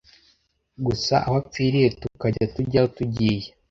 gusa aho apfiriye tukajya tujyayo tugiye